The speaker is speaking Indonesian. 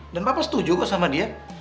dan papa setuju kok sama dia